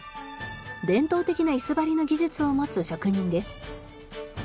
伝統的な椅子張りの技術を持つ職人です。